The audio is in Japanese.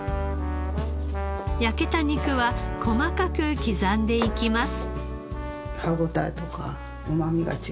焼けた肉は細かく刻んでいきます。